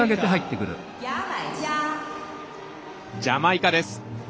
ジャマイカです。